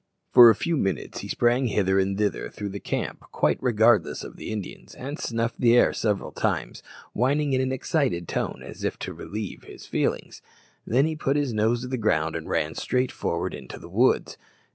For a few minutes he sprang hither and thither through the camp, quite regardless of the Indians, and snuffed the air several times, whining in an excited tone, as if to relieve his feelings. Then he put his nose to the ground and ran straight forward into the woods.